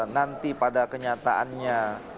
nanti pada kenyataannya